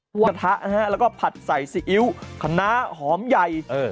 กระทะนะฮะแล้วก็ผัดใส่ซีอิ๊วคณะหอมใหญ่